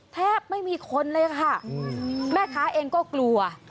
แทบไม่มีคนเลยค่ะแม่ค้าเองก็กลัว